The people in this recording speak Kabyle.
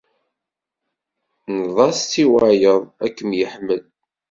Nneḍ-as-tt i wayeḍ ad kem-yeḥmel.